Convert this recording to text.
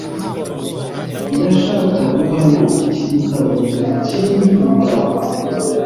Ndashaka guhana iki gitabo ikindi gitabo.